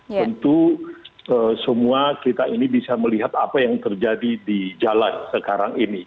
tentu semua kita ini bisa melihat apa yang terjadi di jalan sekarang ini